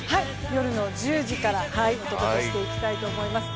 夜１０時からお届けしていきたいと思います。